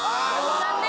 残念。